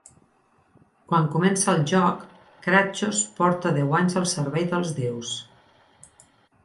Quan comença el joc, Kratjos porta deu anys al servei dels déus.